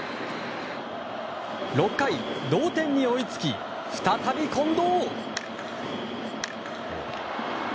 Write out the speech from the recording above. ６回、同点に追いつき再び近藤。